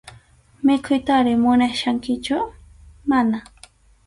¿Mikhuytari munachkankichu?- Mana.